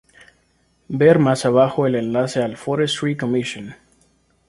Ver más abajo el enlace al "Forestry commission".